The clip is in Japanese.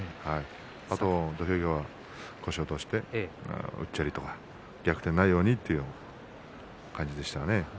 あと土俵際、腰を落としてうっちゃりとか逆転がないようにという感じでしたね。